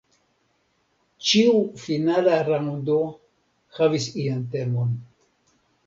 Ĉiu finala raŭndo havis ian temon.